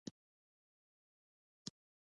د فاریاب په شیرین تګاب کې مالګه شته.